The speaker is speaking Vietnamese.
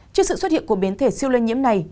trước sự xuất hiện của biến thể siêu lây nhiễm này